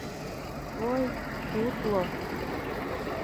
— Ой, тутло...